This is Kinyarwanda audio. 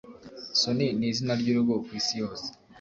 Sony nizina ryurugo kwisi yose